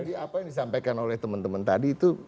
jadi apa yang disampaikan oleh teman teman tadi itu